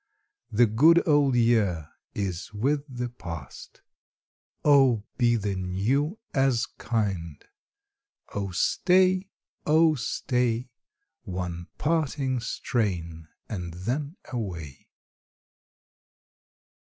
The good old year is with the past; Oh be the new as kind! Oh stay, oh stay, One parting strain, and then away.